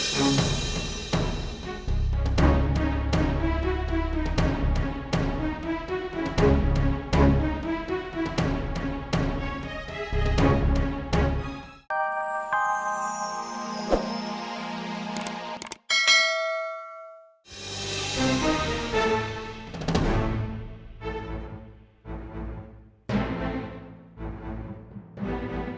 sintia keluar dulu